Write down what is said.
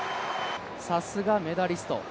さすが、メダリスト。